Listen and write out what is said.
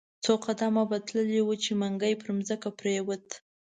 څو قدمه به تللی وو، چې منګی پر مځکه پریووت.